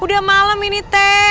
udah malem ini teh